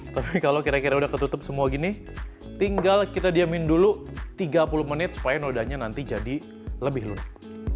tapi kalau kira kira udah ketutup semua gini tinggal kita diamin dulu tiga puluh menit supaya nodanya nanti jadi lebih lunak